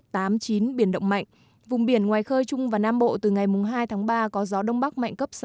trung và nam bộ từ ngày hai tháng ba có gió đông bắc mạnh cấp sáu